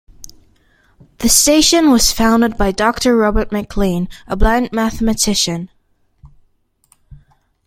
The station was founded by Doctor Robert McLean, a blind mathematician.